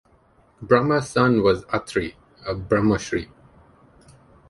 Brahma's son was Atri, a Brahmarshi.